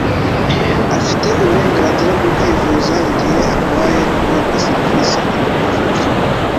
Afite uburenganzira bwo kwivuza igihe arwaye no guhabwa serivise nkenerwa zose.